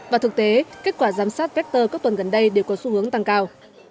và thực tế kết quả giám sát vector các tuần gần đây đều có xu hướng tăng cao